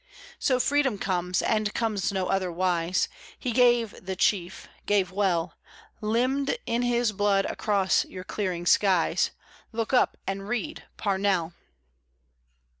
So freedom comes, and comes no other wise; He gave "The Chief" gave well; Limned in his blood across your clearing skies Look up and read; Parnell!